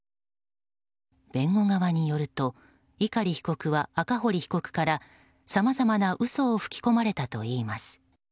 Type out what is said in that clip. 弁護側によると碇被告は赤堀被告からさまざまな嘘を吹き込まれたといいます。